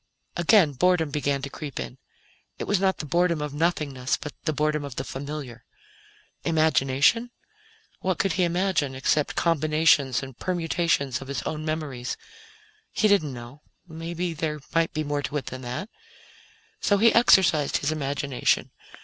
Again, boredom began to creep in. It was not the boredom of nothingness, but the boredom of the familiar. Imagination? What could he imagine, except combinations and permutations of his own memories? He didn't know perhaps there might be more to it than that. So he exercised his imagination.